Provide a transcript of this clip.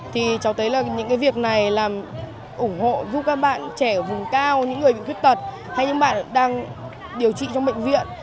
thì cháu thấy là những cái việc này là ủng hộ giúp các bạn trẻ ở vùng cao những người bị khuyết tật hay những bạn đang điều trị trong bệnh viện